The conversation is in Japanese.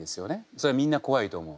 それはみんなこわいと思う。